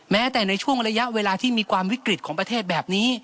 แม้แต่ในช่วงระยะเวลาที่มีความวิกฤตของประเทศแบบนี้